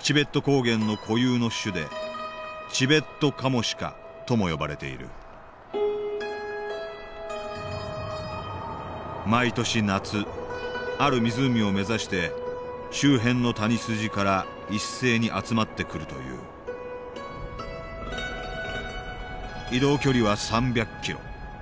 チベット高原の固有の種でチベットカモシカとも呼ばれている毎年夏ある湖を目指して周辺の谷筋から一斉に集まってくるという移動距離は３００キロ。